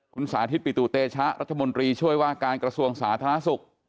คุณสาธิตปิตุเตชะรัฐมนตรีช่วยว่าการกระทรวงสาธารณสุข